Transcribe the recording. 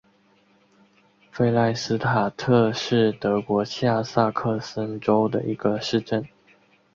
弗赖斯塔特是德国下萨克森州的一个市镇。